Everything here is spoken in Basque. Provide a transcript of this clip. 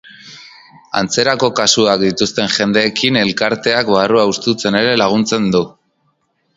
Antzerako kasuak dituzten jendeekin elkarteak barrua hustutzen ere laguntzen du.